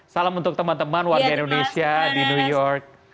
salam untuk teman teman warga indonesia di new york